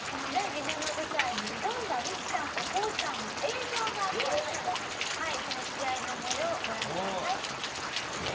夢の舞台に挑んだミキさんとこうちゃんの映像がありますのでその試合の模様をご覧ください。